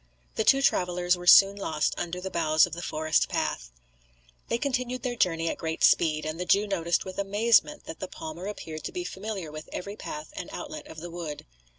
The two travellers were soon lost under the boughs of the forest path. They continued their journey at great speed; and the Jew noticed with amazement that the palmer appeared to be familiar with every path and outlet of the wood.